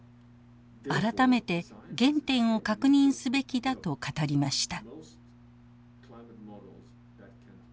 改めて原点を確認すべきだと語りました。